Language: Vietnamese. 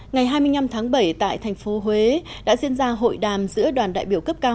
ngày hai mươi năm tháng bảy tại thành phố huế đã diễn ra hội đàm giữa đoàn đại biểu cấp cao